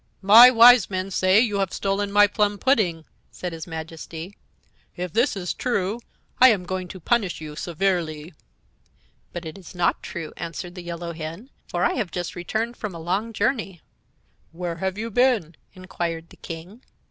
"My Wise Men say you have stolen my plum pudding," said his Majesty. "If this is true, I am going to punish you severely." "But it is not true," answered the Yellow Hen; "for I have just returned from a long journey." "Where have you been?" inquired the King.